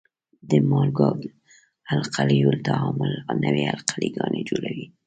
د مالګو او القلیو تعامل نوې القلي ګانې جوړوي.